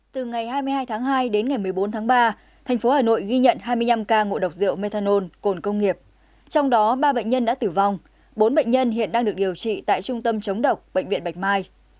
từ ngày hai mươi hai tháng hai đến ngày một mươi bốn tháng ba thành phố hà nội ghi nhận hai mươi năm ca ngộ độc rượu methanol cồn công nghiệp trong đó ba bệnh nhân đã tử vong bốn bệnh nhân hiện đang được điều trị tại trung tâm chống độc bệnh viện bạch mai